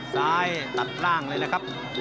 ซ้ายตัดล่างเลยนะครับ